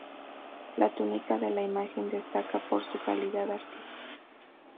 La túnica de la imagen destaca por su calidad artística.